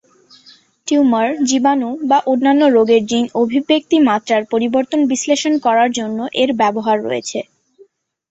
Tumour, জীবাণু বা অন্যান্য রোগের জিন অভিব্যক্তি মাত্রার পরিবর্তন বিশ্লেষণ করার জন্য এর ব্যবহার রয়েছে।